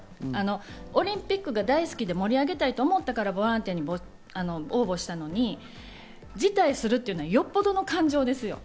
オリンピックが大好きで盛り上げたいと思ったからボランティアに応募したのに辞退するというのは、よっぽどの感情ですよ。